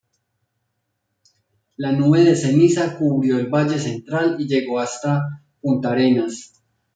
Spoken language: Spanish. La nube de ceniza cubrió el Valle Central y llegó hasta Puntarenas.